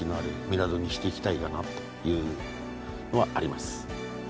して行きたいかなっていうのはあります。